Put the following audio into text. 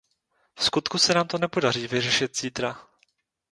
Vskutku se nám to nepodaří vyřešit zítra.